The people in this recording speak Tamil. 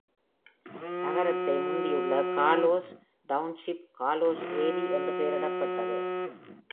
நகரத்தை முந்தியுள்ள கார்லோஸ் டவுன்ஷிப், கார்லோஸ் ஏரி என்று பெயரிடப்பட்டது.